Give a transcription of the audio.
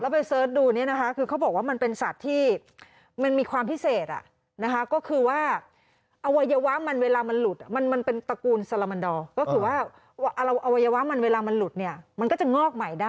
ไปเสิร์ชดูเนี่ยนะคะคือเขาบอกว่ามันเป็นสัตว์ที่มันมีความพิเศษนะคะก็คือว่าอวัยวะมันเวลามันหลุดมันเป็นตระกูลซาลามันดอร์ก็คือว่าอวัยวะมันเวลามันหลุดเนี่ยมันก็จะงอกใหม่ได้